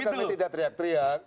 kami tidak teriak teriak